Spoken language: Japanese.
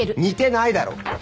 似てないだろ！